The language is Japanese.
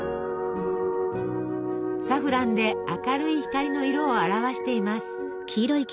サフランで明るい光の色を表しています。